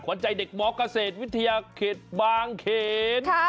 ขวาใจเด็กหมอเกษตรวิทยาเขตบ้างเข็น